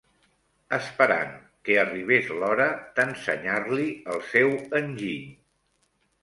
...esperant que arribés l'hora d'ensenyar-li el seu enginy.